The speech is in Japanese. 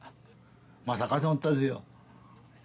まさかと思ったですよ。